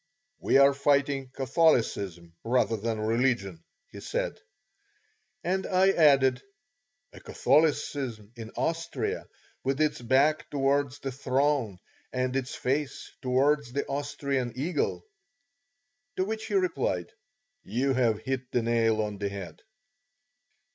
"We are fighting Catholicism rather than religion," he said; and I added, "A Catholicism in Austria, with its back towards the throne and its face towards the Austrian eagle;" to which he replied, "You have hit the nail on the head."